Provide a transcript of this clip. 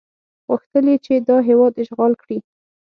غوښتل یې چې دا هېواد اشغال کړي.